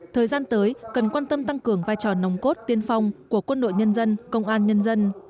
thời gian tới cần quan tâm tăng cường vai trò nồng cốt tiên phong của quân đội nhân dân công an nhân dân